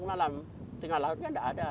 malam tengah laut kan tidak ada